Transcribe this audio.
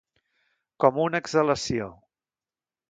Com una exhalació.